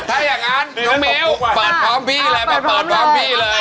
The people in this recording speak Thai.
ถ้าอย่างนั้นน้อมิวปลอดพร้อมพี่เลยปลอดพร้อมเลย